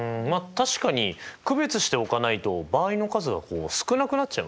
確かに区別しておかないと場合の数が少なくなっちゃいますもんね。